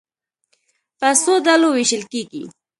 په څو ډلو وېشل کېږي.